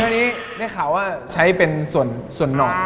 เงี้ยขาวว่าใช้เป็นส่วนนอก